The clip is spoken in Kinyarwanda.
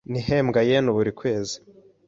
Nhembwa yen buri kwezi .